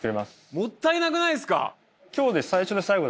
もったいなくないですか？